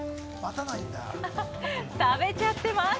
食べちゃってます。